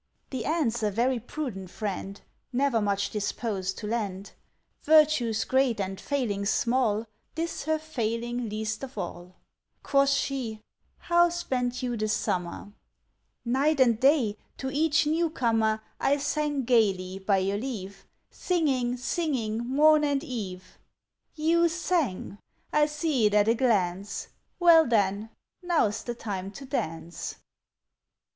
The Ant's a very prudent friend, Never much disposed to lend; Virtues great and failings small, This her failing least of all. Quoth she, "How spent you the summer?" "Night and day, to each new comer I sang gaily, by your leave; Singing, singing, morn and eve." "You sang? I see it at a glance. Well, then, now's the time to dance."